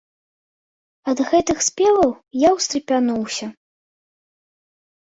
Ад гэтых спеваў я ўстрапянуўся.